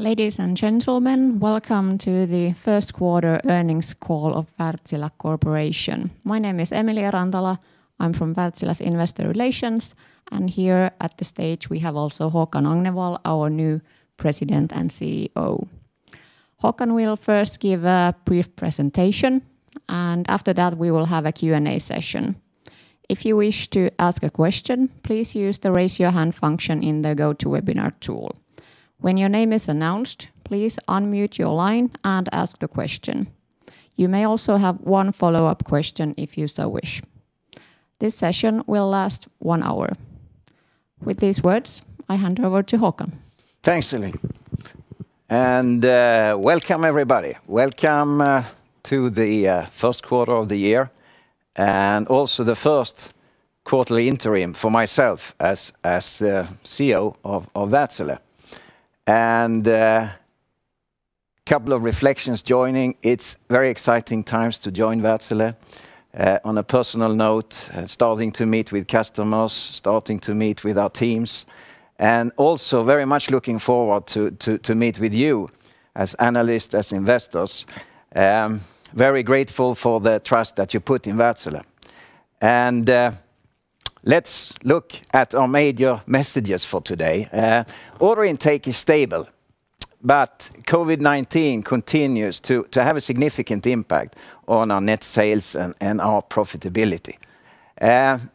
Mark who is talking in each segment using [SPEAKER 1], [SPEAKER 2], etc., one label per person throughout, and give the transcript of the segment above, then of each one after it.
[SPEAKER 1] Ladies and gentlemen, welcome to the first quarter earnings call of Wärtsilä Corporation. My name is Emilia Rantala. I'm from Wärtsilä's Investor Relations, and here at the stage, we have also Håkan Agnevall, our new President and CEO. Håkan will first give a brief presentation, and after that, we will have a Q&A session. If you wish to ask a question, please use the raise your hand function in the GoToWebinar tool. When your name is announced, please unmute your line and ask the question. You may also have one follow-up question if you so wish. This session will last one hour. With these words, I hand over to Håkan.
[SPEAKER 2] Thanks, Emilia. Welcome everybody. Welcome to the first quarter of the year, and also the first quarterly interim for myself as the CEO of Wärtsilä. A couple of reflections joining. It's very exciting times to join Wärtsilä. On a personal note, starting to meet with customers, starting to meet with our teams, and also very much looking forward to meet with you as analysts, as investors. Very grateful for the trust that you put in Wärtsilä. Let's look at our major messages for today. Order intake is stable, but COVID-19 continues to have a significant impact on our net sales and our profitability.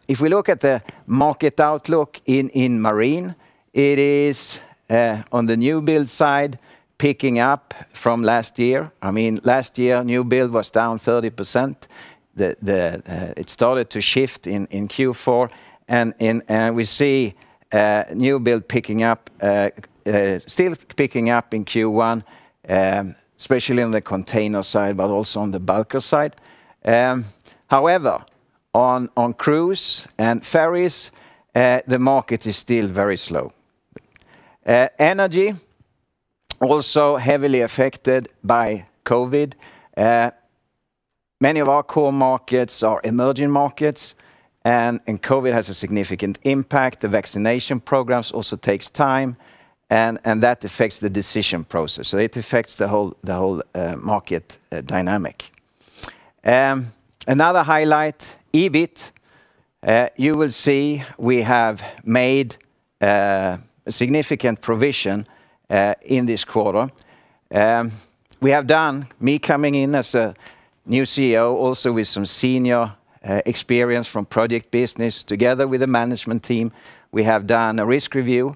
[SPEAKER 2] If we look at the market outlook in Marine, it is, on the new build side, picking up from last year. Last year, new build was down 30%. It started to shift in Q4. We see new build still picking up in Q1, especially on the container side, but also on the bulker side. However, on cruise and ferries, the market is still very slow. Energy, also heavily affected by COVID. Many of our core markets are emerging markets. COVID has a significant impact. The vaccination programs also takes time. That affects the decision process. It affects the whole market dynamic. Another highlight, EBIT. You will see we have made a significant provision in this quarter. Me coming in as a new CEO, also with some senior experience from project business, together with the management team, we have done a risk review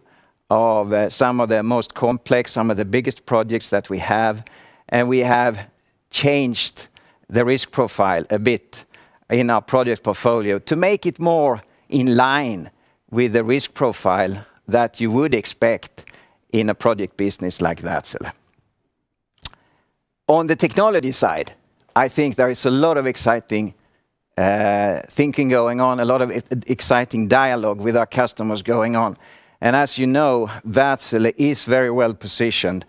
[SPEAKER 2] of some of the most complex, some of the biggest projects that we have, and we have changed the risk profile a bit in our project portfolio to make it more in line with the risk profile that you would expect in a project business like Wärtsilä. On the technology side, I think there is a lot of exciting thinking going on, a lot of exciting dialogue with our customers going on. As you know, Wärtsilä is very well positioned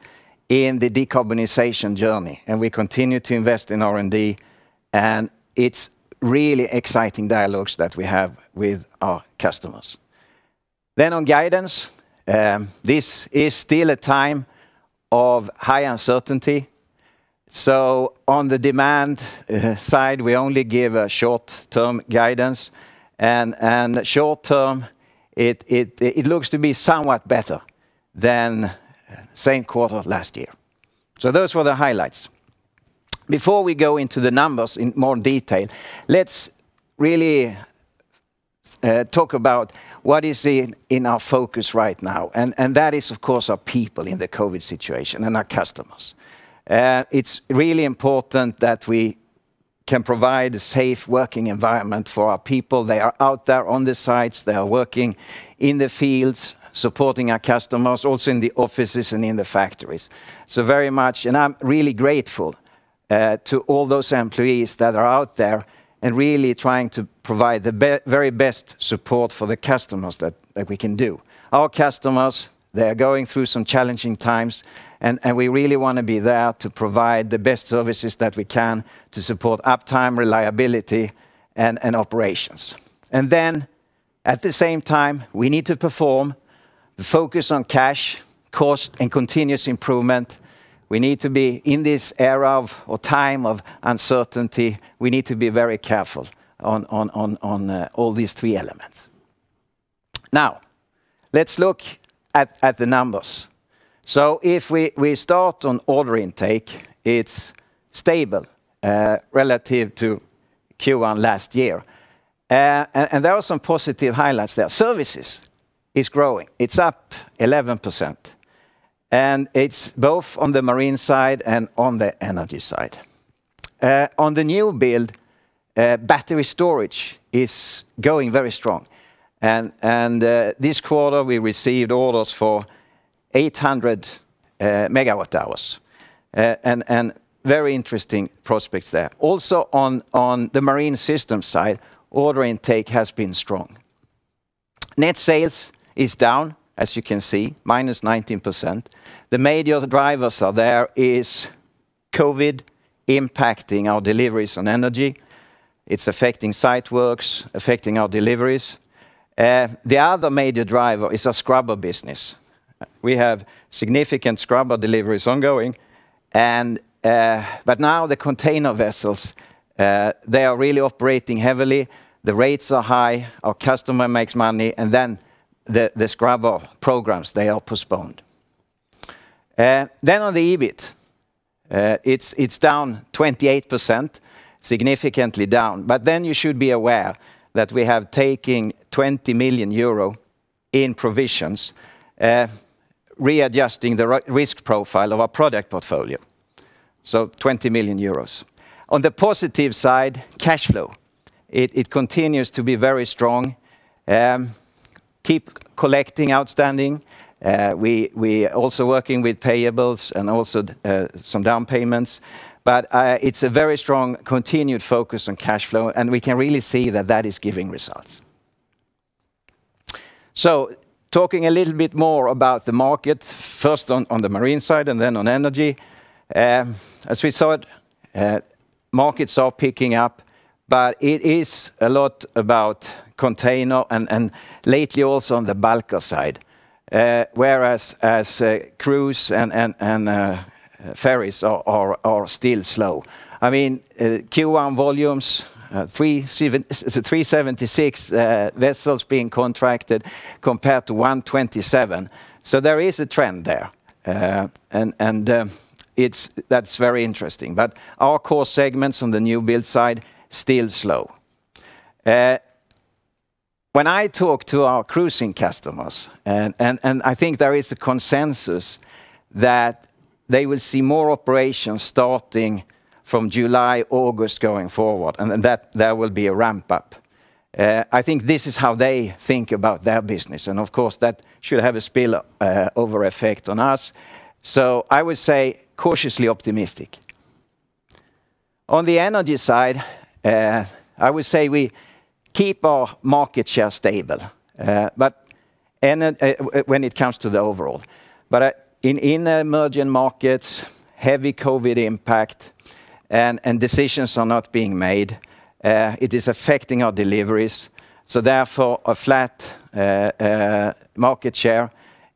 [SPEAKER 2] in the decarbonization journey, and we continue to invest in R&D, and it's really exciting dialogues that we have with our customers. On guidance, this is still a time of high uncertainty, so on the demand side, we only give a short-term guidance, and short term, it looks to be somewhat better than same quarter last year. Those were the highlights. Before we go into the numbers in more detail, let's really talk about what is in our focus right now, and that is, of course, our people in the COVID-19 situation and our customers. It's really important that we can provide a safe working environment for our people. They are out there on the sites. They are working in the fields, supporting our customers, also in the offices and in the factories. Very much, and I'm really grateful to all those employees that are out there and really trying to provide the very best support for the customers that we can do. Our customers, they're going through some challenging times, and we really want to be there to provide the best services that we can to support uptime, reliability, and operations. At the same time, we need to perform the focus on cash, cost, and continuous improvement. In this era of, or time of uncertainty, we need to be very careful on all these three elements. Let's look at the numbers. If we start on order intake, it's stable relative to Q1 last year. There are some positive highlights there. Services is growing. It's up 11%, and it's both on the marine side and on the energy side. On the new build, battery storage is going very strong, and this quarter, we received orders for 800 megawatt hours, and very interesting prospects there. On the Marine Systems side, order intake has been strong. Net sales is down, as you can see, -19%. The major drivers are COVID-19 impacting our deliveries on energy. It's affecting site works, affecting our deliveries. The other major driver is our scrubber business. We have significant scrubber deliveries ongoing, now the container vessels, they are really operating heavily. The rates are high, our customer makes money, the scrubber programs, they are postponed. On the EBIT, it's down 28%, significantly down. You should be aware that we have taken 20 million euro in provisions, readjusting the risk profile of our product portfolio. 20 million euros. On the positive side, cash flow continues to be very strong. Keep collecting outstanding. We also working with payables and also some down payments. It's a very strong continued focus on cash flow, and we can really see that that is giving results. Talking a little bit more about the market, first on the marine side and then on energy. As we saw it, markets are picking up, but it is a lot about container and lately also on the bulker side, whereas cruise and ferries are still slow. I mean, Q1 volumes, 376 vessels being contracted compared to 127. There is a trend there, and that's very interesting. Our core segments on the new build side, still slow. When I talk to our cruising customers, and I think there is a consensus that they will see more operations starting from July, August going forward, and that there will be a ramp up. I think this is how they think about their business, and of course, that should have a spillover effect on us. I would say cautiously optimistic. On the energy side, I would say we keep our market share stable, when it comes to the overall. In emerging markets, heavy COVID impact, and decisions are not being made. It is affecting our deliveries. Therefore, a flat market share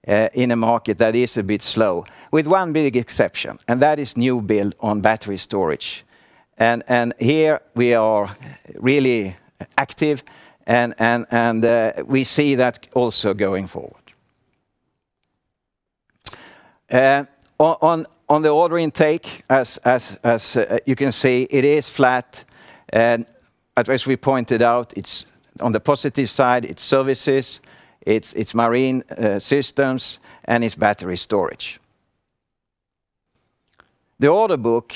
[SPEAKER 2] in a market that is a bit slow, with one big exception, and that is new build on battery storage. Here we are really active and we see that also going forward. On the order intake, as you can see, it is flat. As we pointed out, on the positive side, it's services, it's Marine Systems, and it's battery storage. The order book,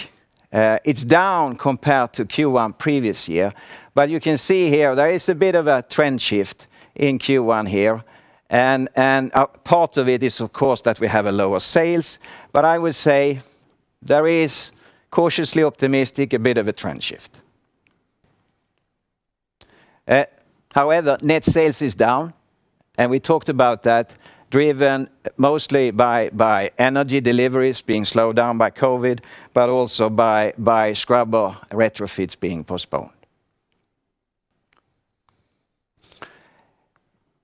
[SPEAKER 2] it's down compared to Q1 previous year. You can see here there is a bit of a trend shift in Q1 here. Part of it is, of course, that we have a lower sales, but I would say there is cautiously optimistic, a bit of a trend shift. However, net sales is down. We talked about that driven mostly by energy deliveries being slowed down by COVID, but also by scrubber retrofits being postponed.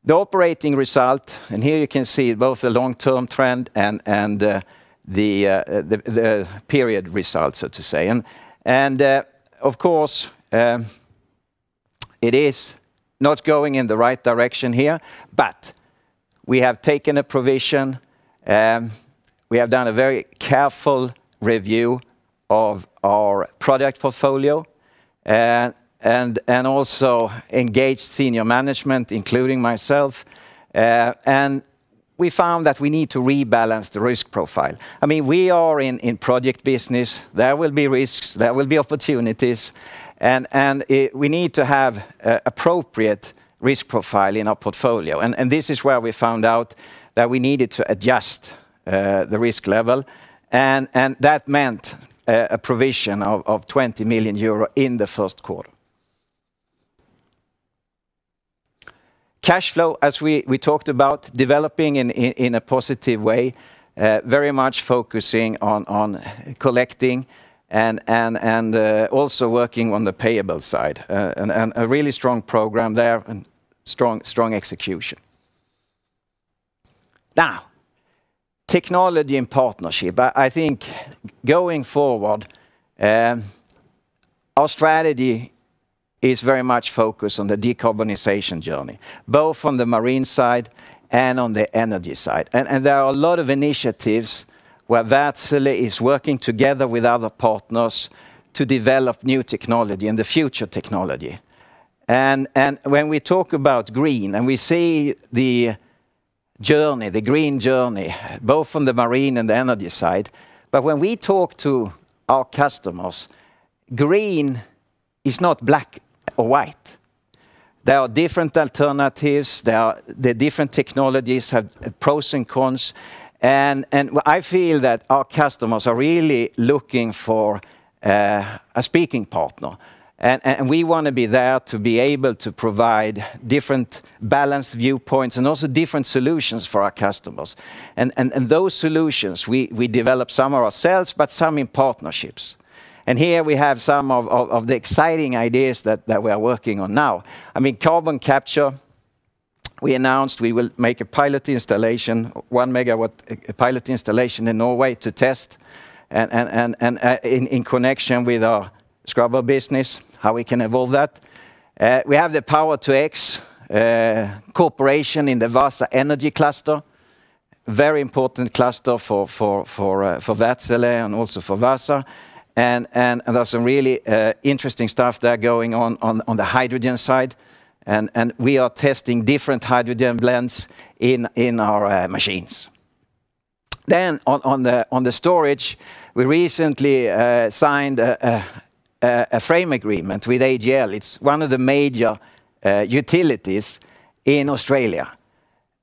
[SPEAKER 2] The operating result. Here you can see both the long-term trend and the period results, so to say. Of course, it is not going in the right direction here, but we have taken a provision. We have done a very careful review of our product portfolio and also engaged senior management, including myself. We found that we need to rebalance the risk profile. I mean, we are in project business. There will be risks, there will be opportunities. We need to have appropriate risk profile in our portfolio. This is where we found out that we needed to adjust the risk level, and that meant a provision of 20 million euro in the first quarter. Cash flow, as we talked about, developing in a positive way, very much focusing on collecting and also working on the payable side, and a really strong program there and strong execution. Technology and partnership. I think going forward, our strategy is very much focused on the decarbonization journey, both on the marine side and on the energy side. There are a lot of initiatives where Wärtsilä is working together with other partners to develop new technology and the future technology. When we talk about green, and we see the journey, the green journey, both on the marine and the energy side, but when we talk to our customers, green is not black or white. There are different alternatives. The different technologies have pros and cons. I feel that our customers are really looking for a speaking partner, and we want to be there to be able to provide different balanced viewpoints and also different solutions for our customers. Those solutions, we develop some ourselves, but some in partnerships. Here we have some of the exciting ideas that we are working on now. I mean, carbon capture. We announced we will make a pilot installation, one-megawatt pilot installation in Norway to test and in connection with our scrubber business, how we can evolve that. We have the Power-to-X cooperation in the Vaasa Energy cluster, very important cluster for Wärtsilä and also for Vaasa. There are some really interesting stuff there going on the hydrogen side, and we are testing different hydrogen blends in our machines. On the storage, we recently signed a frame agreement with AGL. It's one of the major utilities in Australia,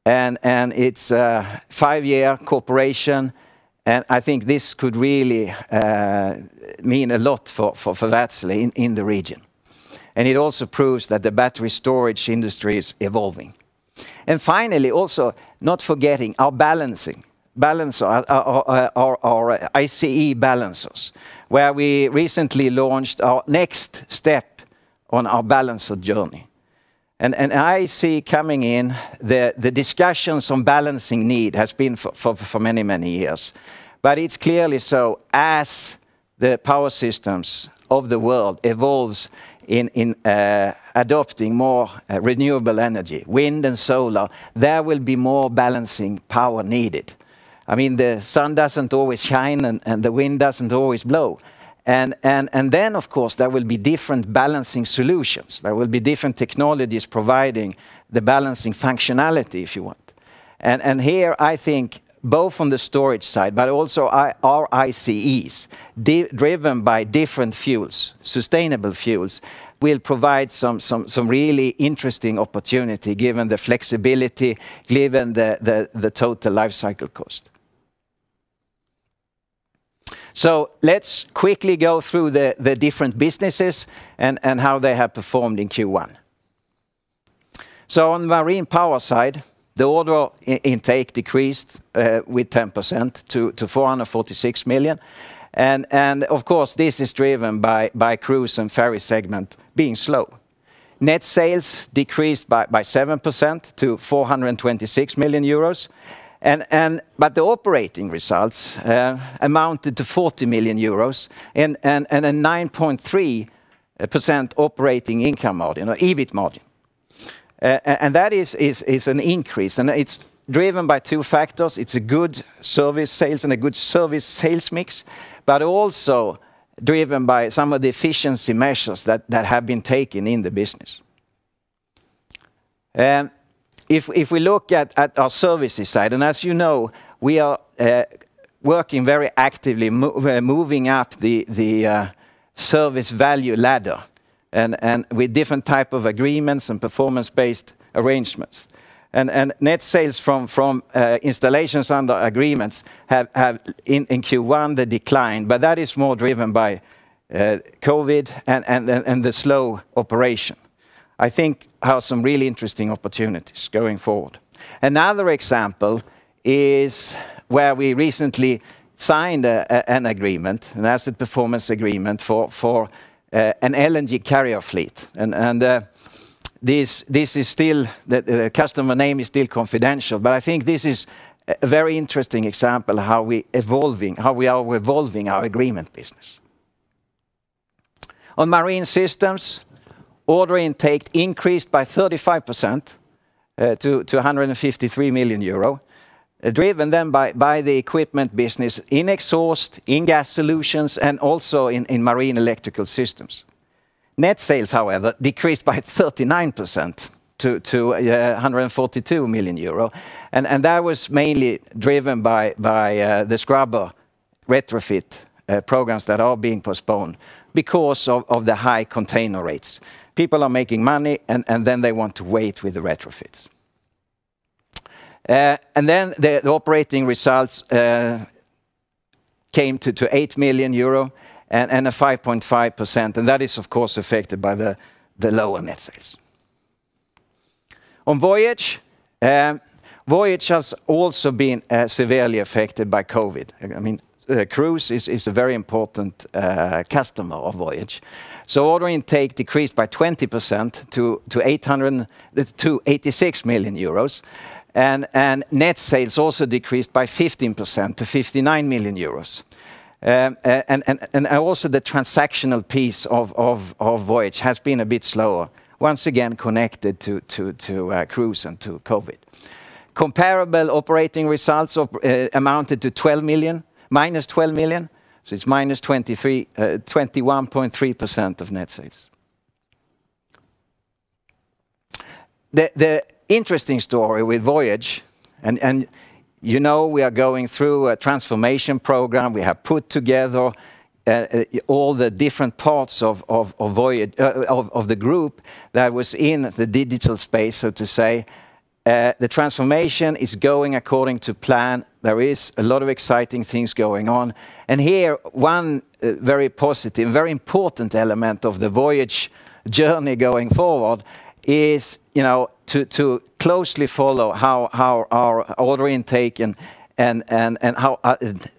[SPEAKER 2] and it's a five-year cooperation, and I think this could really mean a lot for Wärtsilä in the region. It also proves that the battery storage industry is evolving. Finally, also not forgetting our ICE balancers, where we recently launched our next step on our balancer journey. I see coming in, the discussions on balancing need has been for many years. It's clearly so as the power systems of the world evolves in adopting more renewable energy, wind and solar, there will be more balancing power needed. The sun doesn't always shine and the wind doesn't always blow. Then, of course, there will be different balancing solutions. There will be different technologies providing the balancing functionality if you want. Here, I think both on the storage side, but also our ICEs, driven by different fuels, sustainable fuels, will provide some really interesting opportunity given the flexibility, given the total life cycle cost. Let's quickly go through the different businesses and how they have performed in Q1. On Marine Power side, the order intake decreased with 10% to 446 million. Of course, this is driven by cruise and ferry segment being slow. Net sales decreased by 7% to 426 million euros. The operating results amounted to 40 million euros and a 9.3% operating income margin, or EBIT margin. That is an increase, and it's driven by two factors. It's a good service sales and a good service sales mix, but also driven by some of the efficiency measures that have been taken in the business. If we look at our services side, and as you know, we are working very actively, we're moving up the service value ladder and with different type of agreements and performance-based arrangements. Net sales from installations under agreements have in Q1, they declined, but that is more driven by COVID and the slow operation. I think we have some really interesting opportunities going forward. Another example is where we recently signed an agreement, and that's a performance agreement for an LNG carrier fleet. The customer name is still confidential, but I think this is a very interesting example how we are evolving our agreement business. On Marine Systems, order intake increased by 35% to 153 million euro, driven then by the equipment business in exhaust, in gas solutions, and also in marine electrical systems. Net sales, however, decreased by 39% to 142 million euro, and that was mainly driven by the scrubber retrofit programs that are being postponed because of the high container rates. People are making money, and then they want to wait with the retrofits. The operating results came to 8 million euro and a 5.5%, and that is, of course, affected by the lower net sales. On Voyage has also been severely affected by COVID. Cruise is a very important customer of Voyage. Order intake decreased by 20% to 86 million euros, and net sales also decreased by 15% to 59 million euros. Also the transactional piece of Voyage has been a bit slower, once again connected to cruise and to COVID. Comparable operating results amounted to -12 million, so it's -21.3% of net sales. The interesting story with Voyage, you know we are going through a transformation program. We have put together all the different parts of the group that was in the digital space, so to say. The transformation is going according to plan. There is a lot of exciting things going on. Here, one very positive, very important element of the Voyage journey going forward is to closely follow how our order intake and how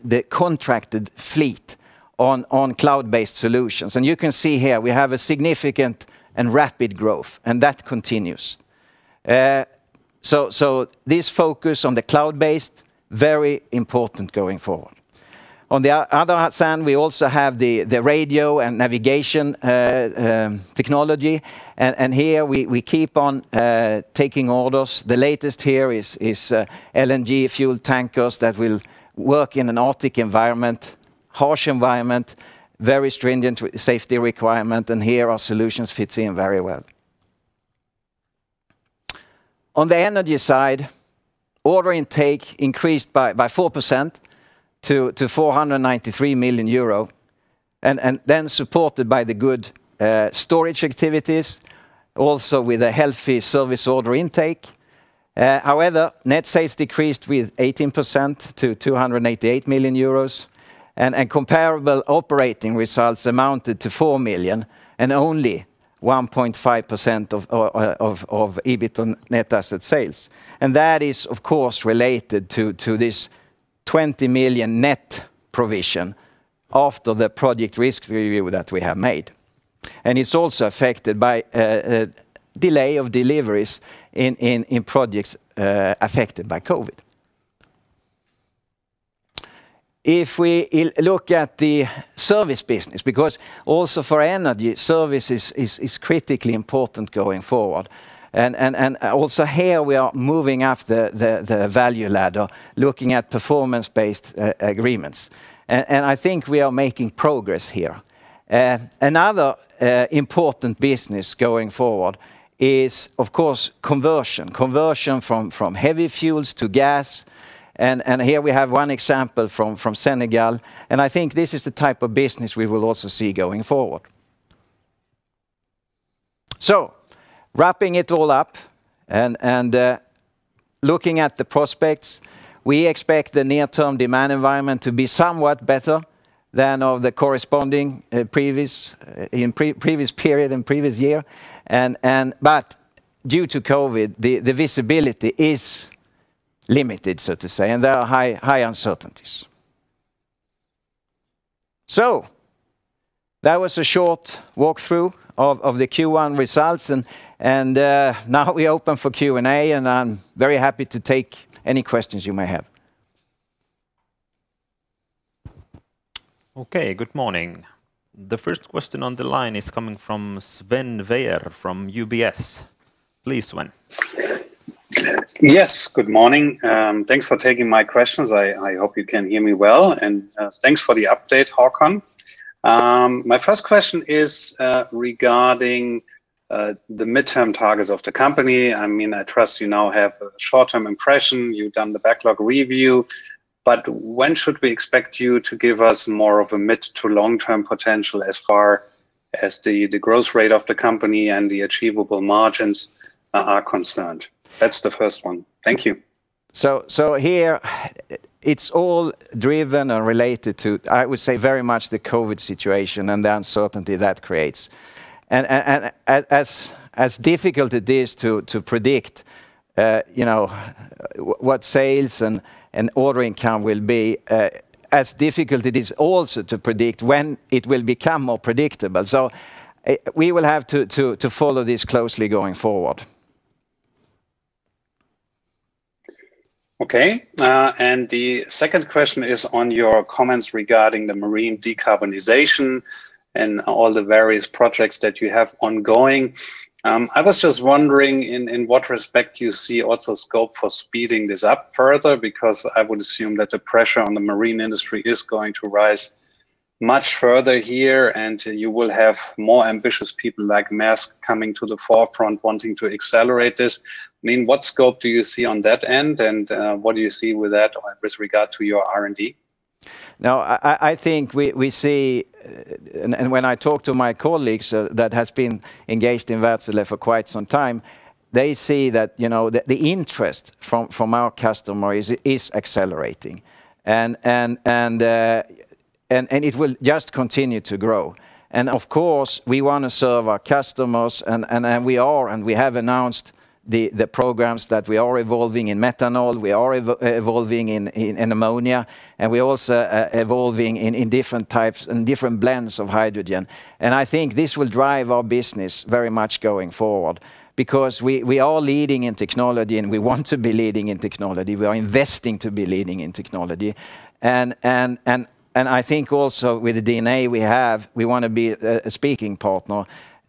[SPEAKER 2] the contracted fleet on cloud-based solutions. You can see here we have a significant and rapid growth, and that continues. This focus on the cloud-based, very important going forward. On the other hand, we also have the radio and navigation technology. Here we keep on taking orders. The latest here is LNG fuel tankers that will work in an Arctic environment, harsh environment, very stringent with safety requirement, and here our solutions fits in very well. On the energy side, order intake increased by 4% to 493 million euro, supported by the good storage activities, also with a healthy service order intake. However, net sales decreased with 18% to 288 million euros, comparable operating results amounted to 4 million, only 1.5% of EBIT and net asset sales. That is, of course, related to this 20 million net provision after the project risk review that we have made. It's also affected by delay of deliveries in projects affected by COVID. If we look at the service business, because also for energy, service is critically important going forward. Also here, we are moving up the value ladder, looking at performance-based agreements. I think we are making progress here. Another important business going forward is, of course, conversion. Conversion from heavy fuels to gas, and here we have one example from Senegal, and I think this is the type of business we will also see going forward. Wrapping it all up and looking at the prospects, we expect the near-term demand environment to be somewhat better than of the corresponding in previous period and previous year. Due to COVID, the visibility is limited, so to say, and there are high uncertainties. That was a short walkthrough of the Q1 results, and now we open for Q&A, and I'm very happy to take any questions you may have.
[SPEAKER 3] Okay. Good morning. The first question on the line is coming from Sven Weier from UBS. Please, Sven.
[SPEAKER 4] Yes. Good morning. Thanks for taking my questions. I hope you can hear me well. Thanks for the update, Håkan. My first question is regarding the mid-term targets of the company. I trust you now have a short-term impression. You've done the backlog review, when should we expect you to give us more of a mid to long-term potential as far as the growth rate of the company and the achievable margins are concerned? That's the first one. Thank you.
[SPEAKER 2] Here, it's all driven and related to, I would say, very much the COVID situation and the uncertainty that creates. As difficult it is to predict what sales and order income will be, as difficult it is also to predict when it will become more predictable. We will have to follow this closely going forward.
[SPEAKER 4] Okay. The second question is on your comments regarding the marine decarbonization and all the various projects that you have ongoing. I was just wondering, in what respect you see also scope for speeding this up further? I would assume that the pressure on the marine industry is going to rise much further here, and you will have more ambitious people like Maersk coming to the forefront wanting to accelerate this. What scope do you see on that end, and what do you see with that with regard to your R&D?
[SPEAKER 2] Now, I think we see, when I talk to my colleagues that has been engaged in Wärtsilä for quite some time, they see that the interest from our customer is accelerating. It will just continue to grow. Of course, we want to serve our customers, and we are, we have announced the programs that we are evolving in methanol, we are evolving in ammonia, we're also evolving in different types and different blends of hydrogen. I think this will drive our business very much going forward, because we are leading in technology, we want to be leading in technology. We are investing to be leading in technology. I think also with the DNA we have, we want to be a speaking partner.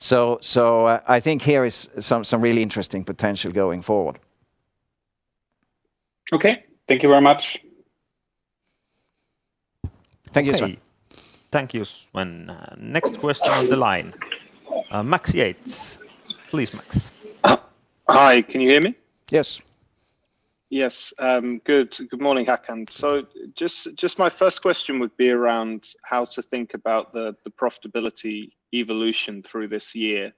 [SPEAKER 2] I think here is some really interesting potential going forward.
[SPEAKER 4] Okay. Thank you very much.
[SPEAKER 2] Thank you, Sven.
[SPEAKER 3] Okay. Thank you, Sven. Next question on the line, Max Yates. Please, Max.
[SPEAKER 5] Hi, can you hear me?
[SPEAKER 3] Yes.
[SPEAKER 5] Yes. Good morning, Håkan. Just my first question would be around how to think about the profitability evolution through this year.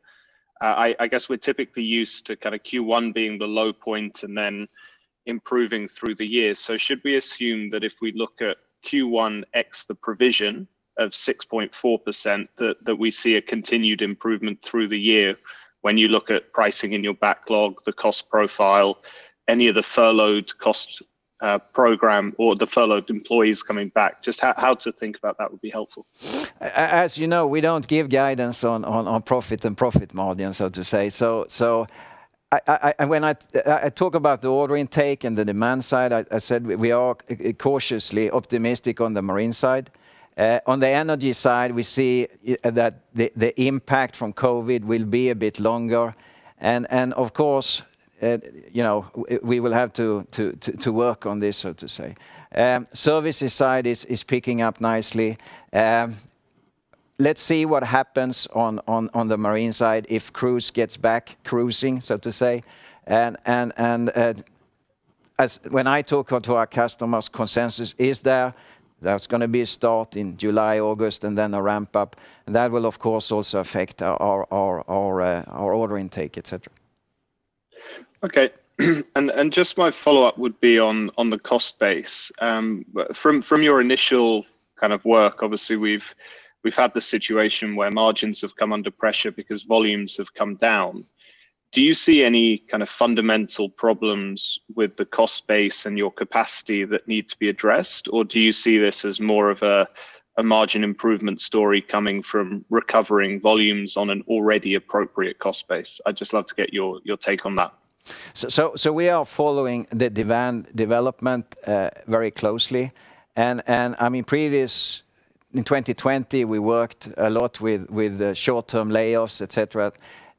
[SPEAKER 5] I guess we're typically used to Q1 being the low point and then improving through the year. Should we assume that if we look at Q1 ex the provision of 6.4%, that we see a continued improvement through the year when you look at pricing in your backlog, the cost profile, any of the furloughed cost program, or the furloughed employees coming back? Just how to think about that would be helpful.
[SPEAKER 2] As you know, we don't give guidance on profit and profit margin, so to say. When I talk about the order intake and the demand side, I said we are cautiously optimistic on the marine side. On the energy side, we see that the impact from COVID will be a bit longer, and of course, we will have to work on this, so to say. Services side is picking up nicely. Let's see what happens on the marine side if cruise gets back cruising, so to say. When I talk to our customers, consensus is there. There's going to be a start in July, August, and then a ramp-up. That will, of course, also affect our order intake, et cetera.
[SPEAKER 5] Okay. Just my follow-up would be on the cost base. From your initial work, obviously, we've had the situation where margins have come under pressure because volumes have come down. Do you see any kind of fundamental problems with the cost base and your capacity that need to be addressed, or do you see this as more of a margin improvement story coming from recovering volumes on an already appropriate cost base? I'd just love to get your take on that.
[SPEAKER 2] We are following the demand development very closely. In 2020, we worked a lot with short-term layoffs, et cetera,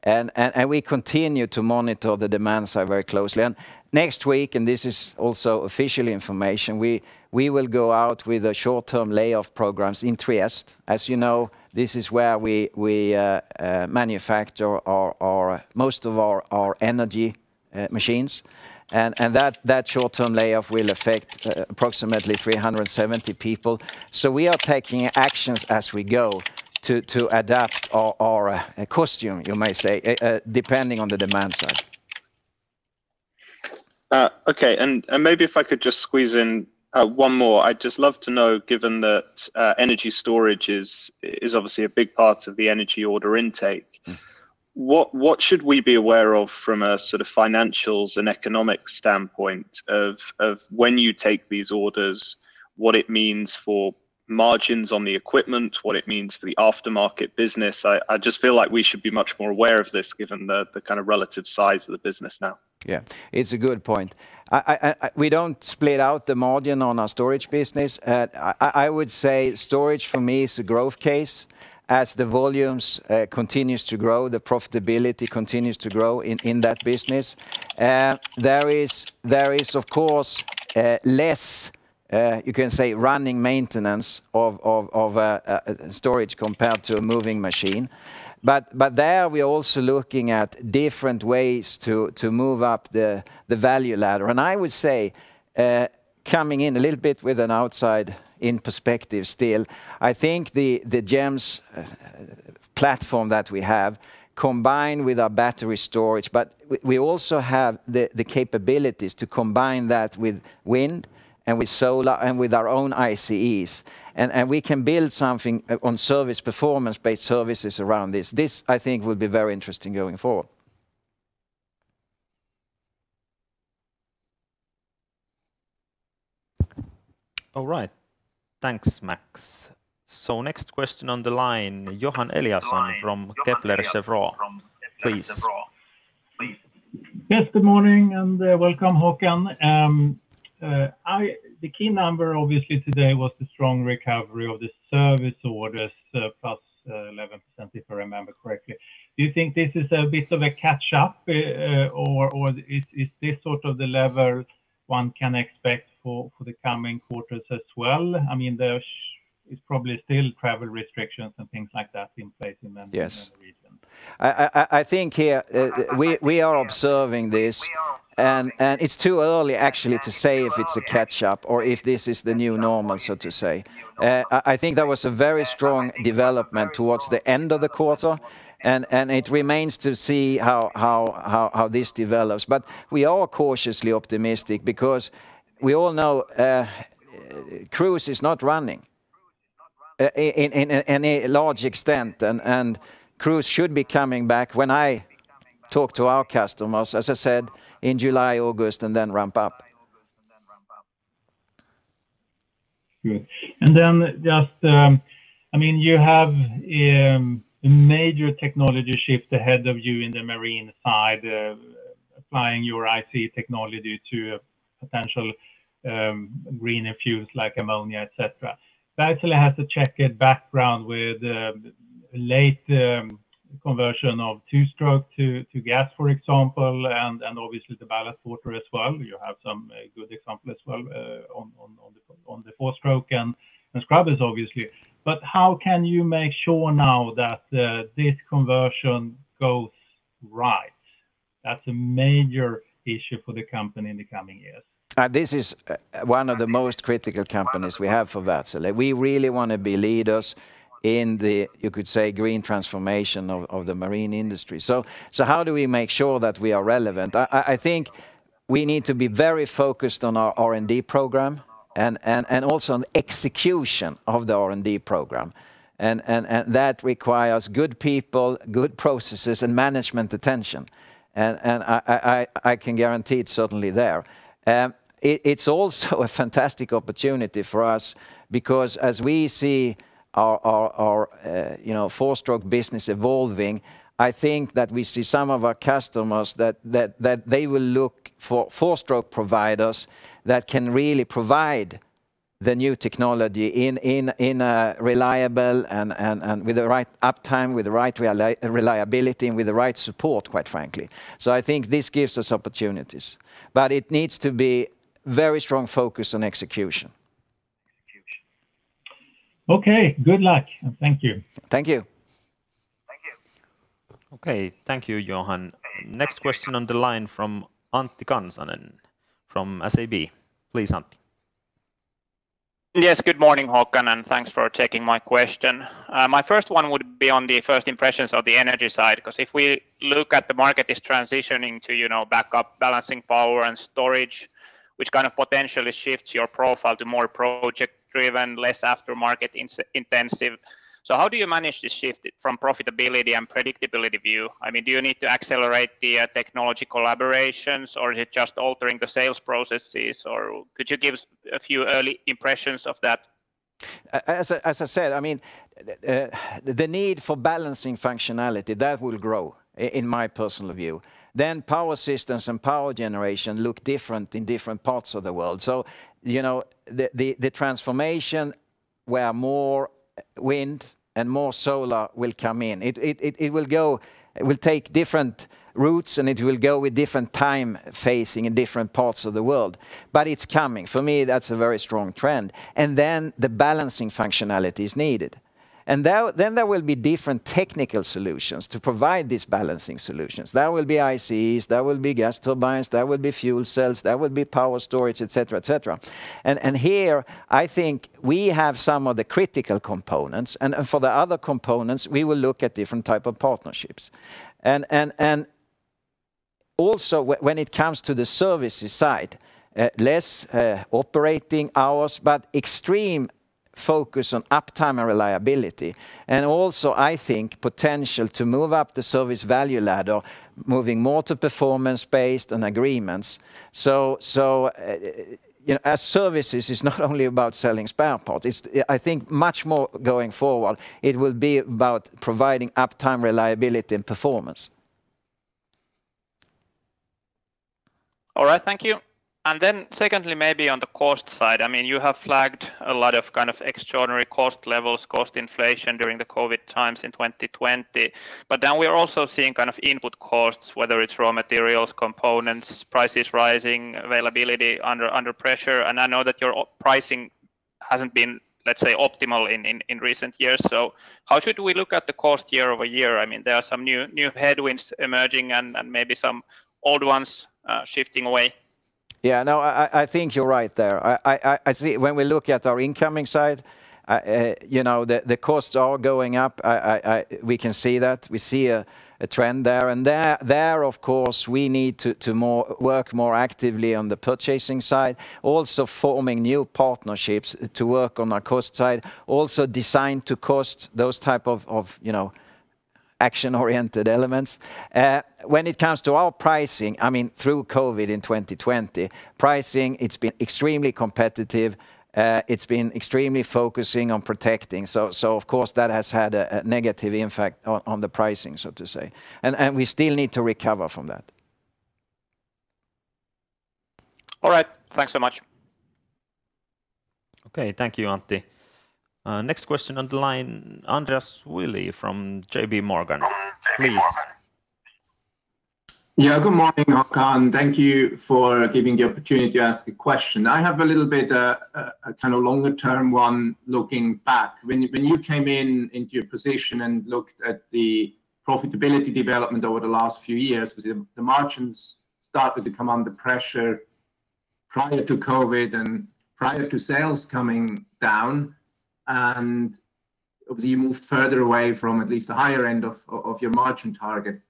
[SPEAKER 2] and we continue to monitor the demand side very closely. Next week, and this is also official information, we will go out with a short-term layoff programs in Trieste. As you know, this is where we manufacture most of our energy machines. That short-term layoff will affect approximately 370 people. We are taking actions as we go to adapt our cost base, you may say, depending on the demand side.
[SPEAKER 5] Okay, maybe if I could just squeeze in one more. I'd just love to know, given that energy storage is obviously a big part of the energy order intake- What should we be aware of from a sort of financials and economic standpoint of when you take these orders, what it means for margins on the equipment, what it means for the aftermarket business? I just feel like we should be much more aware of this given the kind of relative size of the business now.
[SPEAKER 2] Yeah, it's a good point. We don't split out the margin on our storage business. I would say storage for me is a growth case. As the volumes continue to grow, the profitability continues to grow in that business. There is, of course, less, you can say, running maintenance of storage compared to a moving machine. There, we are also looking at different ways to move up the value ladder. I would say, coming in a little bit with an outside in perspective still, I think the GEMS platform that we have, combined with our battery storage, but we also have the capabilities to combine that with wind and with solar and with our own ICEs. We can build something on service performance-based services around this. This, I think, will be very interesting going forward.
[SPEAKER 1] All right. Thanks, Max. Next question on the line, Johan Eliason from Kepler Cheuvreux, please.
[SPEAKER 6] Yes, good morning, and welcome, Håkan. The key number obviously today was the strong recovery of the service orders, +11%, if I remember correctly. Do you think this is a bit of a catch-up, or is this sort of the level one can expect for the coming quarters as well? There is probably still travel restrictions and things like that in place.
[SPEAKER 2] Yes
[SPEAKER 6] The region.
[SPEAKER 2] I think here we are observing this. It's too early actually to say if it's a catch-up or if this is the new normal, so to say. I think there was a very strong development towards the end of the quarter. It remains to see how this develops. We are cautiously optimistic because we all know cruise is not running in any large extent. Cruise should be coming back, when I talk to our customers, as I said, in July, August, and then ramp up.
[SPEAKER 6] Good. Just, you have a major technology shift ahead of you in the marine side, applying your ICE technology to potential greener fuels like ammonia, et cetera. Wärtsilä has a checkered background with late conversion of two-stroke to gas, for example, and obviously the ballast water as well. You have some good example as well on the four-stroke and scrubbers, obviously. How can you make sure now that this conversion goes right? That's a major issue for the company in the coming years.
[SPEAKER 2] This is one of the most critical competencies we have for Wärtsilä. We really want to be leaders in the, you could say, green transformation of the marine industry. How do we make sure that we are relevant? I think we need to be very focused on our R&D program and also on execution of the R&D program. That requires good people, good processes, and management attention. I can guarantee it's certainly there. It's also a fantastic opportunity for us because as we see our four-stroke business evolving, I think that we see some of our customers that they will look for four-stroke providers that can really provide the new technology in a reliable and with the right uptime, with the right reliability, and with the right support, quite frankly. I think this gives us opportunities, but it needs to be very strong focus on execution.
[SPEAKER 6] Okay. Good luck, and thank you.
[SPEAKER 2] Thank you.
[SPEAKER 6] Thank you.
[SPEAKER 3] Okay. Thank you, Johan. Next question on the line from Antti Kansanen from SEB. Please, Antti.
[SPEAKER 7] Good morning, Håkan, and thanks for taking my question. My first one would be on the first impressions of the energy side, because if we look at the market is transitioning to backup balancing power and storage, which kind of potentially shifts your profile to more project-driven, less aftermarket intensive. How do you manage to shift it from profitability and predictability view? I mean, do you need to accelerate the technology collaborations, or is it just altering the sales processes? Could you give a few early impressions of that?
[SPEAKER 2] As I said, the need for balancing functionality, that will grow, in my personal view. Power systems and power generation look different in different parts of the world. The transformation where more wind and more solar will come in, it will take different routes, and it will go with different time phasing in different parts of the world. It's coming. For me, that's a very strong trend. The balancing functionality is needed. There will be different technical solutions to provide these balancing solutions. There will be ICEs, there will be gas turbines, there will be fuel cells, there will be power storage, et cetera. Here, I think we have some of the critical components, and for the other components, we will look at different type of partnerships. Also when it comes to the services side, less operating hours, but extreme focus on uptime and reliability, and also, I think, potential to move up the service value ladder, moving more to performance-based and agreements. As services is not only about selling spare parts, it's I think much more going forward, it will be about providing uptime, reliability, and performance.
[SPEAKER 7] All right. Thank you. Secondly, maybe on the cost side, you have flagged a lot of kind of extraordinary cost levels, cost inflation during the COVID times in 2020. We're also seeing input costs, whether it's raw materials, components, prices rising, availability under pressure. I know that your pricing hasn't been, let's say, optimal in recent years. How should we look at the cost year-over-year? There are some new headwinds emerging and maybe some old ones shifting away.
[SPEAKER 2] Yeah, no, I think you're right there. When we look at our incoming side, the costs are going up. We can see that. We see a trend there. There, of course, we need to work more actively on the purchasing side, also forming new partnerships to work on our cost side, also design to cost those type of action-oriented elements. When it comes to our pricing, through COVID in 2020, pricing it's been extremely competitive. It's been extremely focusing on protecting. Of course, that has had a negative impact on the pricing, so to say. We still need to recover from that.
[SPEAKER 7] All right. Thanks so much.
[SPEAKER 3] Okay. Thank you, Antti. Next question on the line, Andreas Willi from JPMorgan. Please.
[SPEAKER 8] Yeah, good morning, Håkan. Thank you for giving the opportunity to ask a question. I have a little bit, a kind of longer-term one looking back. When you came into your position and looked at the profitability development over the last few years, the margins started to come under pressure prior to COVID-19 and prior to sales coming down, obviously you moved further away from at least the higher end of your margin target.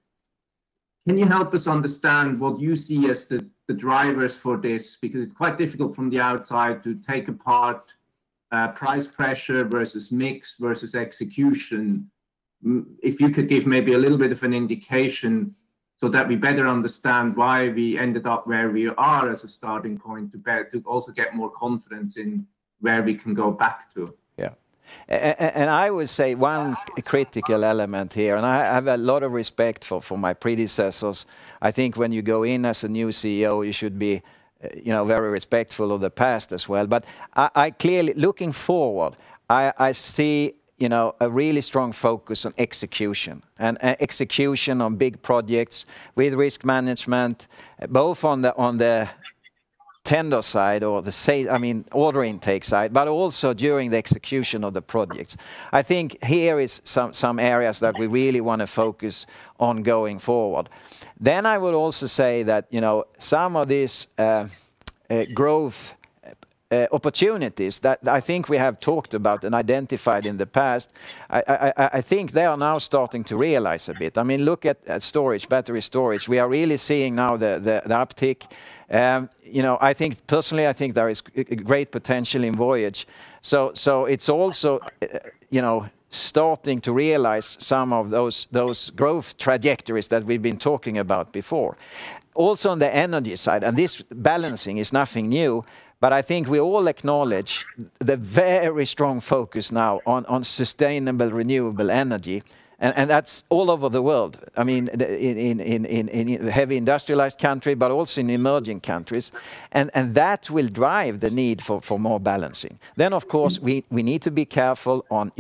[SPEAKER 8] Can you help us understand what you see as the drivers for this? It's quite difficult from the outside to take apart price pressure versus mix versus execution. If you could give maybe a little bit of an indication so that we better understand why we ended up where we are as a starting point to also get more confidence in where we can go back to.
[SPEAKER 2] Yeah. I would say one critical element here, I have a lot of respect for my predecessors. I think when you go in as a new CEO, you should be very respectful of the past as well. Looking forward, I see a really strong focus on execution and execution on big projects with risk management, both on the tender side or the ordering intake side, but also during the execution of the project. I think here is some areas that we really want to focus on going forward. I would also say that some of these growth opportunities that I think we have talked about and identified in the past, I think they are now starting to realize a bit. Look at storage, battery storage. We are really seeing now the uptick. Personally, I think there is great potential in Wärtsilä Voyage. It's also starting to realize some of those growth trajectories that we've been talking about before. Also on the energy side, this balancing is nothing new. I think we all acknowledge the very strong focus now on sustainable, renewable energy, and that's all over the world. In heavy industrialized country, but also in emerging countries, that will drive the need for more balancing. Of course, we need to be careful on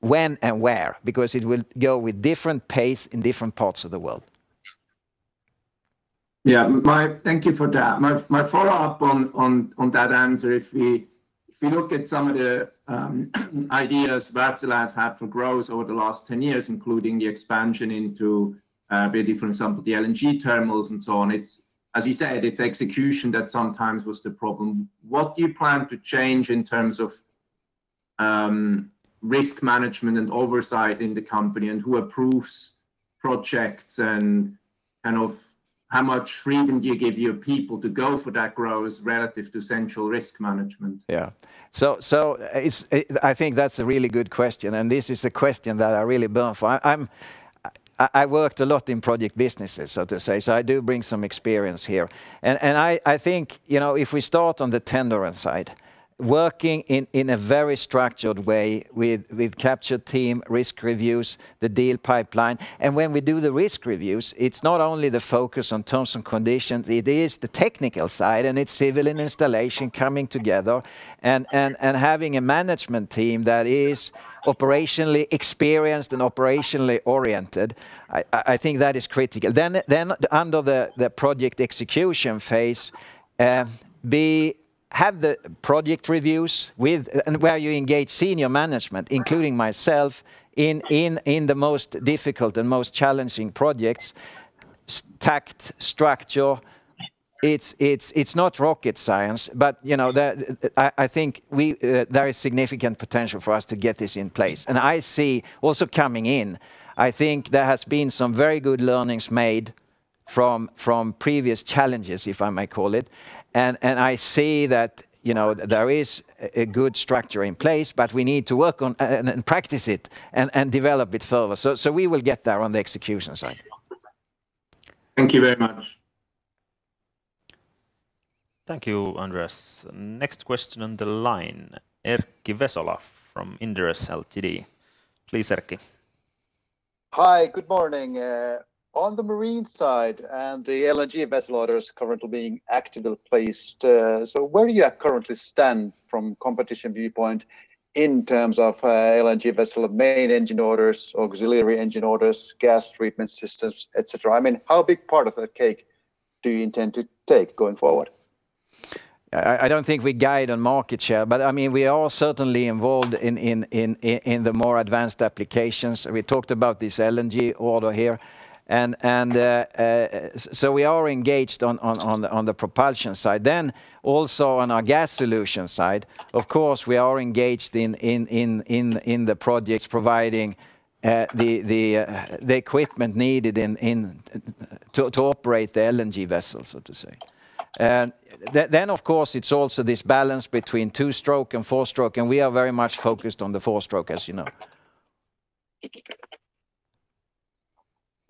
[SPEAKER 2] when and where, because it will go with different pace in different parts of the world.
[SPEAKER 8] Yeah. Thank you for that. My follow-up on that answer, if we look at some of the ideas Wärtsilä have had for growth over the last 10 years, including the expansion into, a very different example, the LNG terminals and so on, as you said, it's execution that sometimes was the problem. What do you plan to change in terms of risk management and oversight in the company, and who approves projects, and of how much freedom do you give your people to go for that growth relative to central risk management?
[SPEAKER 2] Yeah. I think that's a really good question, this is a question that I really burn for. I worked a lot in project businesses, so to say, so I do bring some experience here. I think, if we start on the tendering side, working in a very structured way with capture team, risk reviews, the deal pipeline. When we do the risk reviews, it's not only the focus on terms and conditions, it is the technical side, it's civil and installation coming together, having a management team that is operationally experienced and operationally oriented. I think that is critical. Under the project execution phase, we have the project reviews where you engage senior management, including myself, in the most difficult and most challenging projects, structure. It's not rocket science, but I think there is significant potential for us to get this in place. I see, also coming in, I think there has been some very good learnings made from previous challenges, if I may call it. I see that there is a good structure in place, but we need to work on, and practice it, and develop it further. We will get there on the execution side.
[SPEAKER 8] Thank you very much.
[SPEAKER 3] Thank you, Andreas. Next question on the line, Erkki Vesola from Inderes Ltd. Please, Erkki.
[SPEAKER 9] Hi, good morning. On the Marine side and the LNG vessel orders currently being actively placed, where do you currently stand from competition viewpoint in terms of LNG vessel main engine orders, auxiliary engine orders, gas treatment systems, et cetera? How big part of the cake do you intend to take going forward?
[SPEAKER 2] I don't think we guide on market share. We are certainly involved in the more advanced applications. We talked about this LNG order here. We are engaged on the propulsion side. Also on our gas solution side, of course, we are engaged in the projects providing the equipment needed to operate the LNG vessels, so to say. Of course, it is also this balance between two-stroke and four-stroke. We are very much focused on the four-stroke, as you know.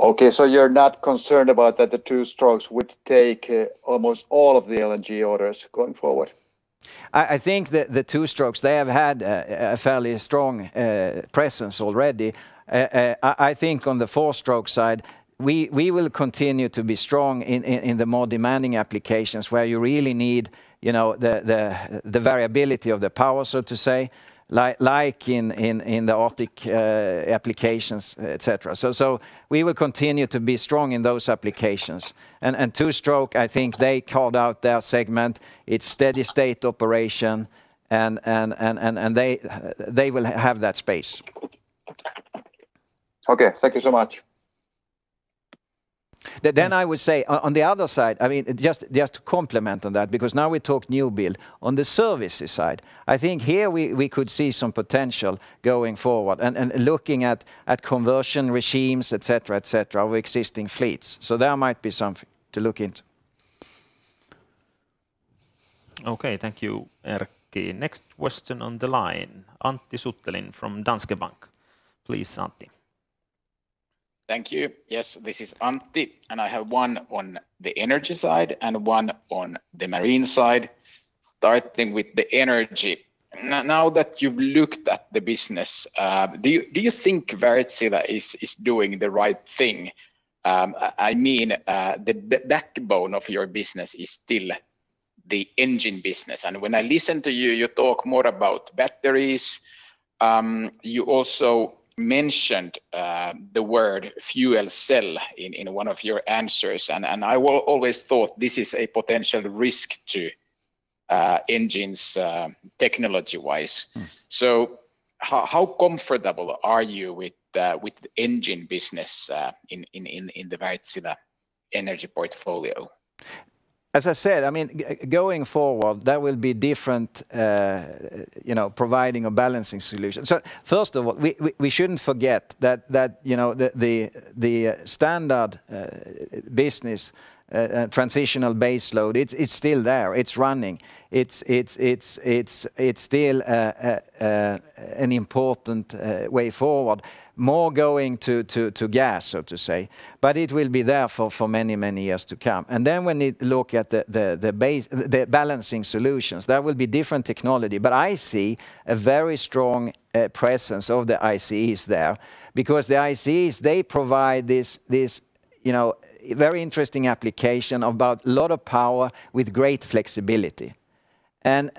[SPEAKER 9] Okay. You're not concerned about that the two-strokes would take almost all of the LNG orders going forward?
[SPEAKER 2] I think that the two-strokes, they have had a fairly strong presence already. I think on the four-stroke side, we will continue to be strong in the more demanding applications where you really need the variability of the power, so to say, like in the Arctic applications, et cetera. We will continue to be strong in those applications. Two-stroke, I think they carved out their segment. It's steady state operation, and they will have that space.
[SPEAKER 9] Okay. Thank you so much.
[SPEAKER 2] I would say, on the other side, just to complement on that, because now we talk new build. On the services side, I think here we could see some potential going forward and looking at conversion regimes, et cetera, of existing fleets. There might be something to look into.
[SPEAKER 3] Okay. Thank you, Erkki. Next question on the line, Antti Suttelin from Danske Bank. Please, Antti.
[SPEAKER 10] Thank you. Yes, this is Antti, and I have one on the Energy side and one on the Marine side. Starting with the Energy. Now that you've looked at the business, do you think Wärtsilä is doing the right thing? I mean, the backbone of your business is still the engine business, and when I listen to you talk more about batteries. You also mentioned the word fuel cell in one of your answers, and I always thought this is a potential risk to engines, technology-wise. How comfortable are you with the engine business in the Wärtsilä Energy portfolio?
[SPEAKER 2] As I said, going forward, there will be different providing or balancing solutions. First of all, we shouldn't forget that the standard business transitional base load, it's still there. It's running. It's still an important way forward. More going to gas, so to say, but it will be there for many, many years to come. When you look at the balancing solutions, that will be different technology, but I see a very strong presence of the ICEs there because the ICEs, they provide this very interesting application about a lot of power with great flexibility. And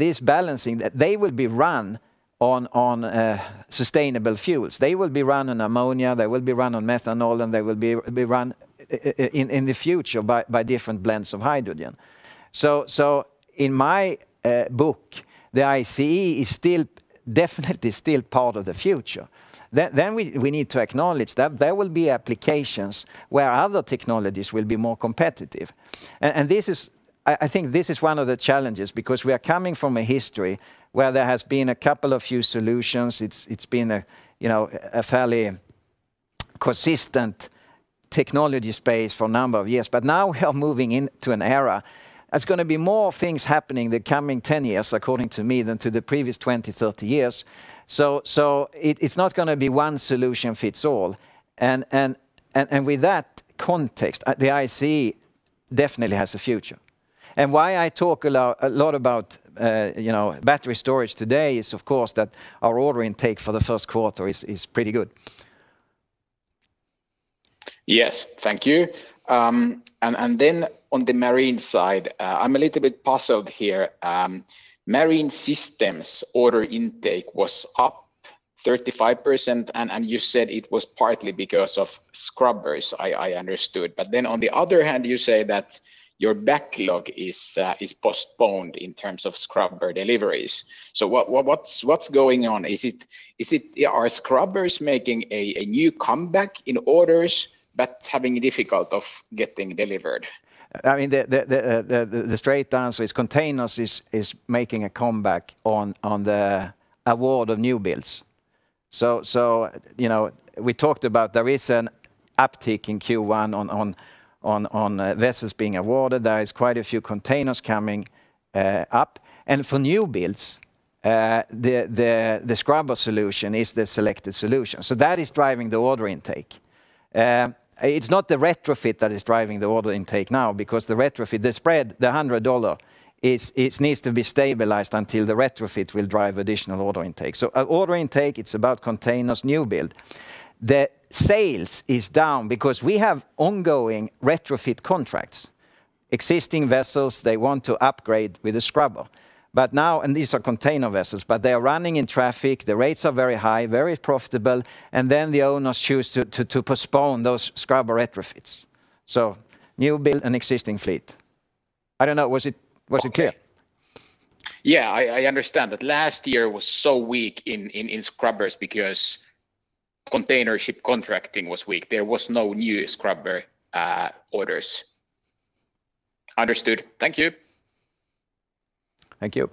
[SPEAKER 2] this balancing, they will be run on sustainable fuels. They will be run on ammonia, they will be run on methanol, and they will be run in the future by different blends of hydrogen. In my book, the ICE is definitely still part of the future We need to acknowledge that there will be applications where other technologies will be more competitive. I think this is one of the challenges, because we are coming from a history where there has been a couple of few solutions. It's been a fairly consistent technology space for a number of years, but now we are moving into an era that's going to be more things happening the coming 10 years, according to me, than to the previous 20, 30 years. It's not going to be one solution fits all. With that context, the ICE definitely has a future. Why I talk a lot about battery storage today is, of course, that our order intake for the first quarter is pretty good.
[SPEAKER 10] Yes. Thank you. Then on the Marine Systems side, I'm a little bit puzzled here. Marine Systems order intake was up 35%, and you said it was partly because of scrubbers, I understood. Then, on the other hand, you say that your backlog is postponed in terms of scrubber deliveries. What's going on? Are scrubbers making a new comeback in orders, but having a difficult of getting delivered?
[SPEAKER 2] The straight answer is containers is making a comeback on the award of new builds. We talked about there is an uptick in Q1 on vessels being awarded. There is quite a few containers coming up. For new builds, the scrubber solution is the selected solution. That is driving the order intake. It's not the retrofit that is driving the order intake now, because the retrofit, the spread, the EUR 100, it needs to be stabilized until the retrofit will drive additional order intake. Order intake, it's about containers new build. The sales is down because we have ongoing retrofit contracts. Existing vessels, they want to upgrade with a scrubber. These are container vessels, but they are running in traffic, the rates are very high, very profitable, and then the owners choose to postpone those scrubber retrofits. New build and existing fleet. I don't know, was it clear?
[SPEAKER 10] Yeah. I understand that last year was so weak in scrubbers because container ship contracting was weak. There was no new scrubber orders. Understood. Thank you.
[SPEAKER 2] Thank you.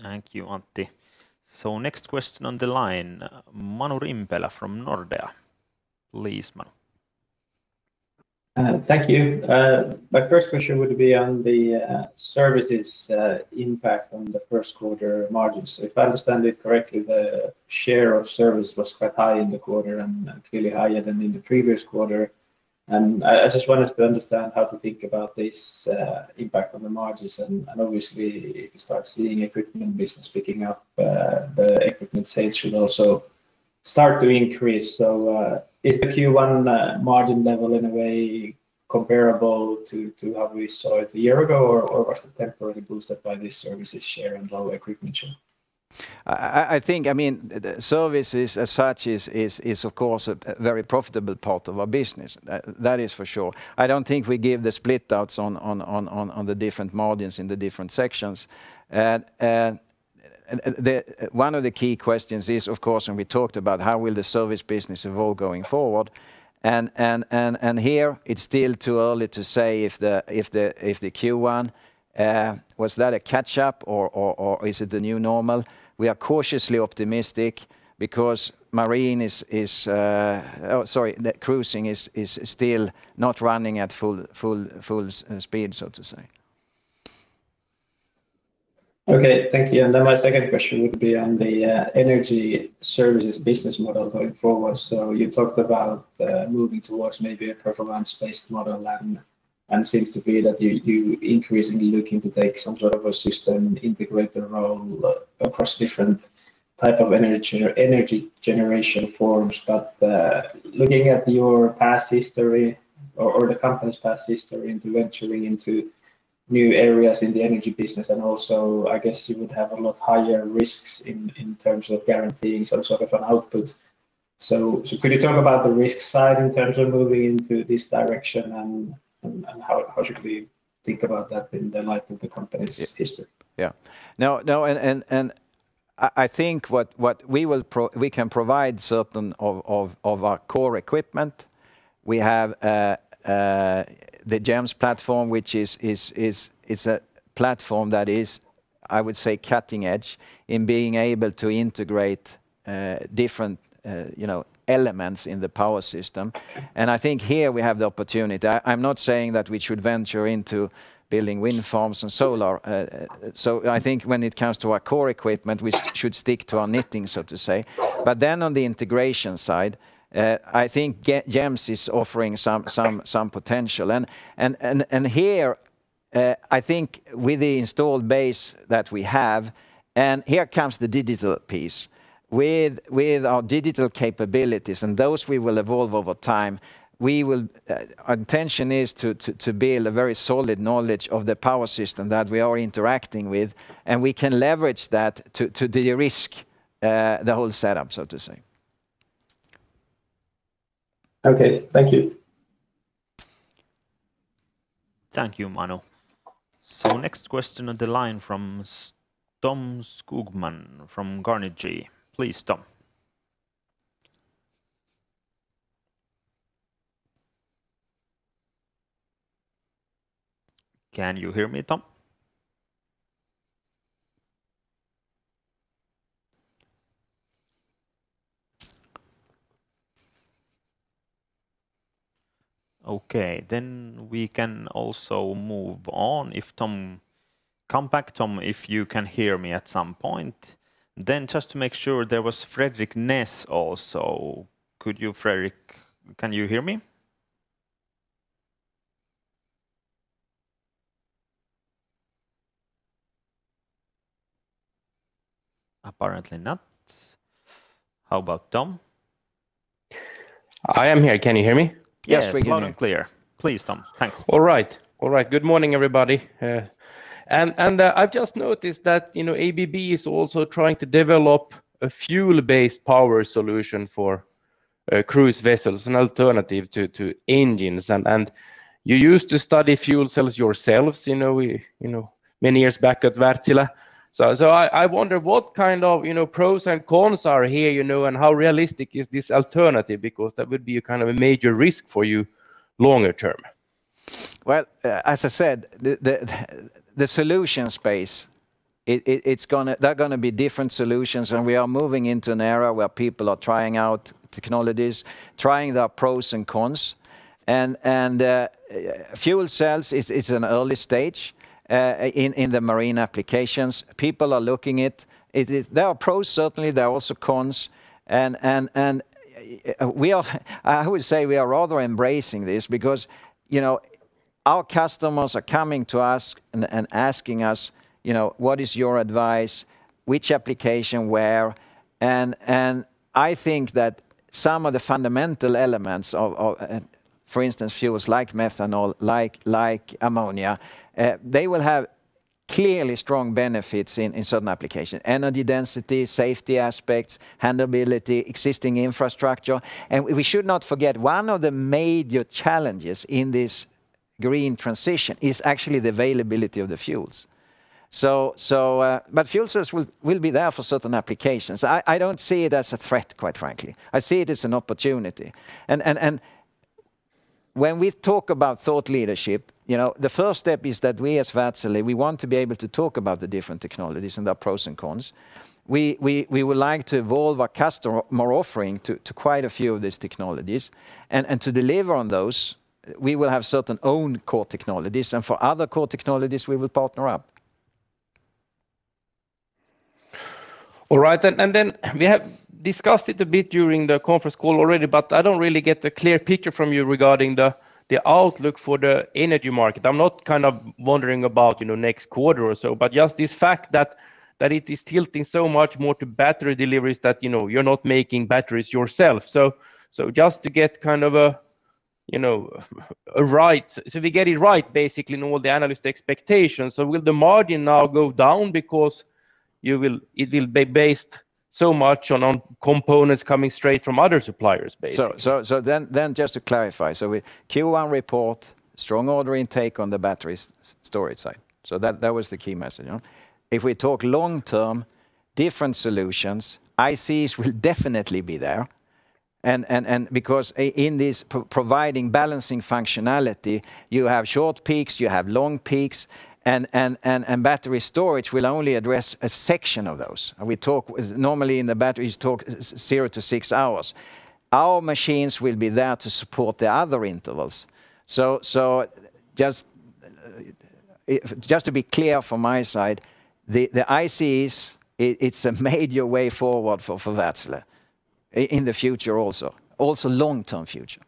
[SPEAKER 3] Thank you, Antti. Next question on the line, Manu Rimpelä from Nordea. Please, Manu.
[SPEAKER 11] Thank you. My first question would be on the services impact on the first quarter margins. If I understand it correctly, the share of service was quite high in the quarter and clearly higher than in the previous quarter. I just wanted to understand how to think about this impact on the margins. Obviously, if you start seeing equipment business picking up, the equipment sales should also start to increase. Is the Q1 margin level in a way comparable to how we saw it a year ago, or was it temporarily boosted by this services share and low equipment share?
[SPEAKER 2] Services as such is, of course, a very profitable part of our business. That is for sure. I don't think we give the split outs on the different margins in the different sections. One of the key questions is, of course, when we talked about how will the service business evolve going forward. Here it's still too early to say if the Q1, was that a catch up or is it the new normal? We are cautiously optimistic because cruising is still not running at full speed, so to say.
[SPEAKER 11] Okay. Thank you. My second question would be on the energy services business model going forward. You talked about moving towards maybe a performance-based model, and seems to be that you increasingly looking to take some sort of a system integrator role across different type of energy generation forms. Looking at your past history or the company's past history into venturing into new areas in the energy business, and also, I guess you would have a lot higher risks in terms of guaranteeing some sort of an output. Could you talk about the risk side in terms of moving into this direction and how should we think about that in the light of the company's history?
[SPEAKER 2] Yeah. I think what we can provide certain of our core equipment. We have the GEMS platform, which is a platform that is, I would say, cutting edge in being able to integrate different elements in the power system. I think here we have the opportunity. I'm not saying that we should venture into building wind farms and solar. I think when it comes to our core equipment, we should stick to our knitting, so to say. On the integration side, I think GEMS is offering some potential. Here, I think with the installed base that we have, and here comes the digital piece. With our digital capabilities, and those we will evolve over time. Our intention is to build a very solid knowledge of the power system that we are interacting with, and we can leverage that to derisk the whole setup, so to say.
[SPEAKER 11] Okay. Thank you.
[SPEAKER 3] Thank you, Manu. Next question on the line from Tom Skogman from Carnegie. Please, Tom. Can you hear me, Tom? Okay, we can also move on. Come back, Tom, if you can hear me at some point. Just to make sure, there was Frederik Ness also. Fredrik, can you hear me? Apparently not. How about Tom?
[SPEAKER 12] I am here. Can you hear me?
[SPEAKER 3] Yes, we can hear you.
[SPEAKER 2] Yes, loud and clear.
[SPEAKER 1] Please, Tom. Thanks.
[SPEAKER 12] All right. Good morning, everybody. I've just noticed that ABB is also trying to develop a fuel-based power solution for cruise vessels, an alternative to engines. You used to study fuel cells yourselves many years back at Wärtsilä, so I wonder what kind of pros and cons are here, and how realistic is this alternative because that would be a major risk for you longer term.
[SPEAKER 2] Well, as I said, the solution space, there are going to be different solutions. We are moving into an era where people are trying out technologies, trying their pros and cons. Fuel cells, it's in an early stage in the marine applications. People are looking at it. There are pros, certainly. There are also cons. I would say we are rather embracing this because our customers are coming to us and asking us, "What is your advice? Which application where?" I think that some of the fundamental elements of, for instance, fuels like methanol, like ammonia, they will have clearly strong benefits in certain applications, energy density, safety aspects, handleability, existing infrastructure. We should not forget, one of the major challenges in this green transition is actually the availability of the fuels. Fuel cells will be there for certain applications. I don't see it as a threat, quite frankly. I see it as an opportunity. When we talk about thought leadership, the first step is that we, as Wärtsilä, we want to be able to talk about the different technologies and their pros and cons. We would like to evolve our customer offering to quite a few of these technologies, and to deliver on those, we will have certain own core technologies, and for other core technologies, we will partner up.
[SPEAKER 12] All right. Then we have discussed it a bit during the conference call already, but I don't really get a clear picture from you regarding the outlook for the energy market. I'm not wondering about next quarter or so, but just this fact that it is tilting so much more to battery deliveries that you're not making batteries yourself. Just to get it right, basically, in all the analyst expectations, so will the margin now go down because it will be based so much on components coming straight from other suppliers, basically?
[SPEAKER 2] Just to clarify, with Q1 report, strong order intake on the battery storage side. That was the key message. If we talk long-term, different solutions, ICEs will definitely be there, and because in this providing balancing functionality, you have short peaks, you have long peaks, and battery storage will only address a section of those. Normally in the batteries talk, zero to six hours. Our machines will be there to support the other intervals. Just to be clear from my side, the ICEs, it's a major way forward for Wärtsilä in the future also. Also long-term future.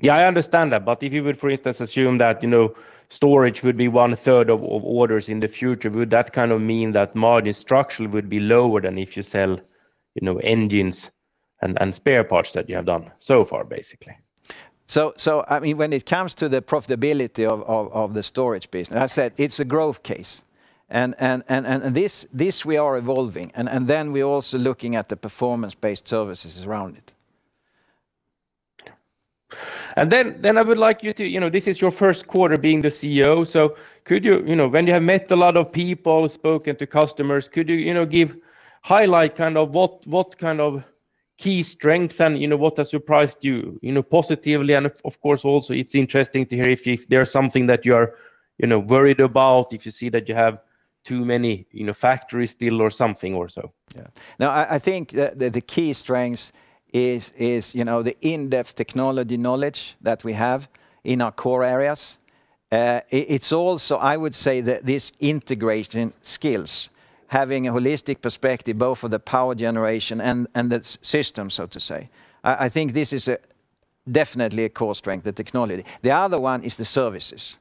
[SPEAKER 12] Yeah, I understand that, but if you would, for instance, assume that storage would be one-third of orders in the future, would that kind of mean that margin structurally would be lower than if you sell engines and spare parts that you have done so far, basically?
[SPEAKER 2] When it comes to the profitability of the storage business, as I said, it's a growth case. This, we are evolving, and then we're also looking at the performance-based services around it.
[SPEAKER 12] This is your first quarter being the CEO, so when you have met a lot of people, spoken to customers, could you give highlight kind of what kind of key strength and what has surprised you positively? Of course, also, it's interesting to hear if there's something that you're worried about, if you see that you have too many factories still or something or so.
[SPEAKER 2] Yeah. No, I think the key strengths is the in-depth technology knowledge that we have in our core areas. It's also, I would say that this integration skills, having a holistic perspective both for the power generation and the system, so to say. I think this is definitely a core strength, the technology. The other one is the services.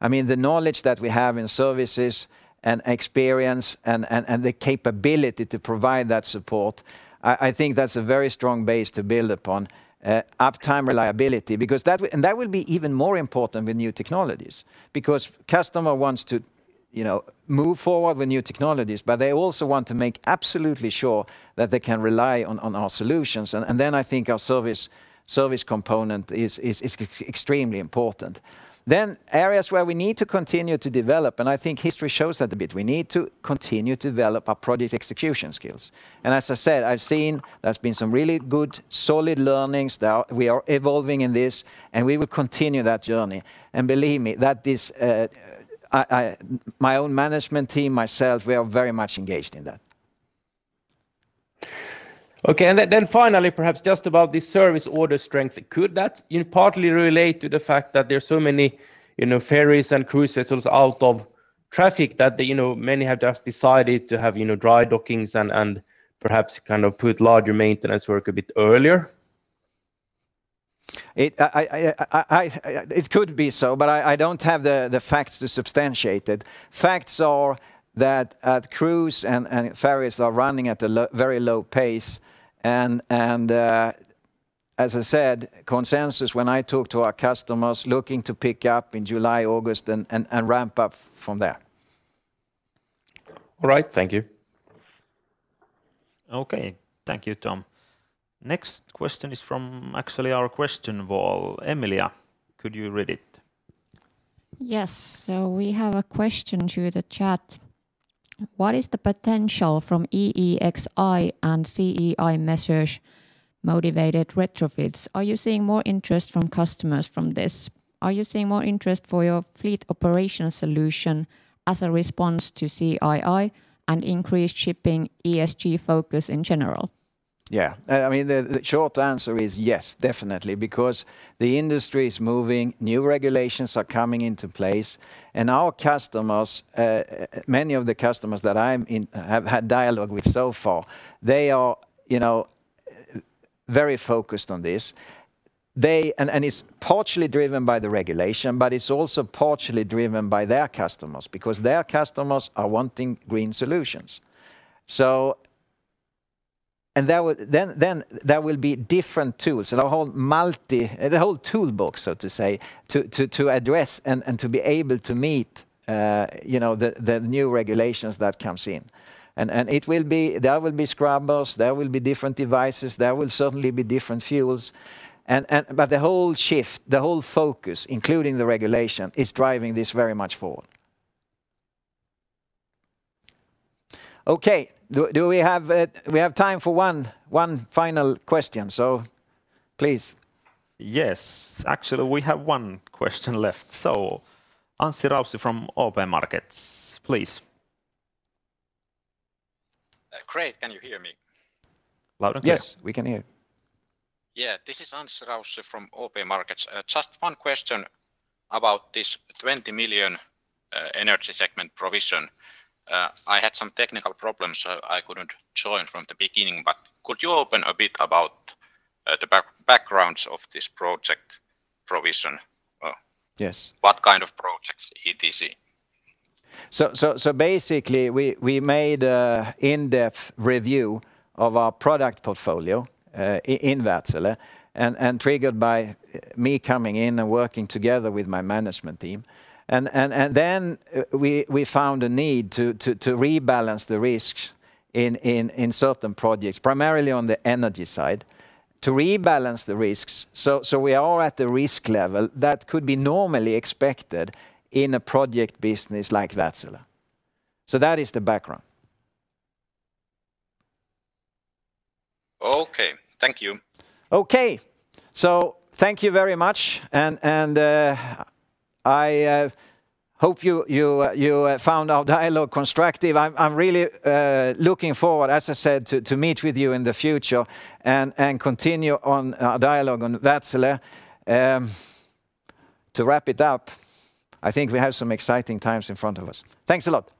[SPEAKER 2] The knowledge that we have in services and experience and the capability to provide that support, I think that's a very strong base to build upon, uptime reliability. That will be even more important with new technologies because customer wants to move forward with new technologies, but they also want to make absolutely sure that they can rely on our solutions. I think our service component is extremely important. Areas where we need to continue to develop, and I think history shows that a bit, we need to continue to develop our project execution skills. As I said, I've seen there's been some really good solid learnings there. We are evolving in this, and we will continue that journey. Believe me, my own management team, myself, we are very much engaged in that.
[SPEAKER 12] Okay, finally, perhaps just about this service order strength, could that partly relate to the fact that there are so many ferries and cruise vessels out of traffic that many have just decided to have dry dockings and perhaps put larger maintenance work a bit earlier?
[SPEAKER 2] It could be so, but I don't have the facts to substantiate it. Facts are that cruise and ferries are running at a very low pace and, as I said, consensus when I talk to our customers, looking to pick up in July, August, and ramp up from there.
[SPEAKER 3] All right. Thank you. Okay. Thank you, Tom. Next question is from actually our question wall. Emilia, could you read it?
[SPEAKER 1] Yes. We have a question through the chat. "What is the potential from EEXI and CII measures motivated retrofits? Are you seeing more interest from customers from this? Are you seeing more interest for your Fleet Operations Solution as a response to CII and increased shipping ESG focus in general?
[SPEAKER 2] Yeah. The short answer is yes, definitely, because the industry is moving, new regulations are coming into place, and many of the customers that I have had dialogue with so far, they are very focused on this. It's partially driven by the regulation, but it's also partially driven by their customers, because their customers are wanting green solutions. Then there will be different tools, the whole toolbox, so to say, to address and to be able to meet the new regulations that comes in. There will be scrubbers, there will be different devices, there will certainly be different fuels. The whole shift, the whole focus, including the regulation, is driving this very much forward. Okay. We have time for one final question, so please.
[SPEAKER 1] Yes. Actually, we have one question left. Anssi Raussi from OP Markets, please.
[SPEAKER 13] Great. Can you hear me?
[SPEAKER 1] Loud and clear.
[SPEAKER 2] Yes.
[SPEAKER 1] We can hear.
[SPEAKER 13] This is Anssi Raussi from OP Markets. Just one question about this 20 million energy segment provision. I had some technical problems, so I couldn't join from the beginning, could you open a bit about the backgrounds of this project provision?
[SPEAKER 2] Yes.
[SPEAKER 13] What kind of projects, etc.?
[SPEAKER 2] Basically, we made an in-depth review of our product portfolio in Wärtsilä, and triggered by me coming in and working together with my management team. Then we found a need to rebalance the risks in certain projects, primarily on the energy side, to rebalance the risks so we are at the risk level that could be normally expected in a project business like Wärtsilä. That is the background.
[SPEAKER 13] Okay. Thank you.
[SPEAKER 2] Thank you very much, and I hope you found our dialogue constructive. I'm really looking forward, as I said, to meet with you in the future and continue on our dialogue on Wärtsilä. To wrap it up, I think we have some exciting times in front of us. Thanks a lot.